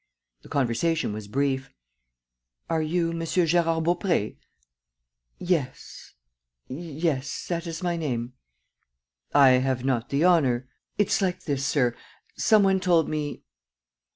The conversation was brief: "Are you M. Gérard Baupré?" "Yes ... yes ... that is my name." "I have not the honor ..." "It's like this, sir. ... Some one told me